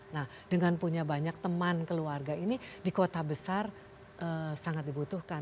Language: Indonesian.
nah dengan punya banyak teman keluarga ini di kota besar sangat dibutuhkan